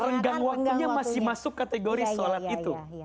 renggang waktunya masih masuk kategori sholat itu